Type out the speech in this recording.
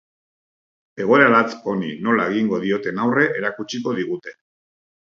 Egoera latz honi nola egingo dioten aurre erakutsiko digute.